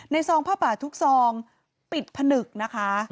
ซองผ้าป่าทุกซองปิดผนึกนะคะ